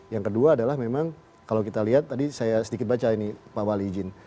yang kedua adalah memang kalau kita lihat tadi saya sedikit baca ini pak wali izin